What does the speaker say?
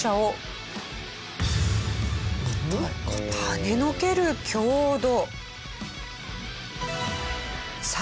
はねのける強度！